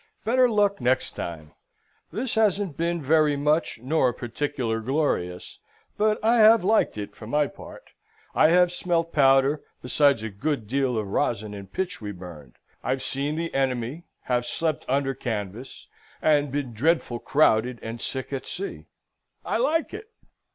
Better luck next time! This hasn't been very much nor particular glorious: but I have liked it for my part. I have smelt powder, besides a good deal of rosn and pitch we burned. I've seen the enemy; have sleppt under canvass, and been dredful crowdid and sick at sea. I like it.